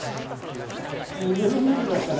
ぬるぬるだから。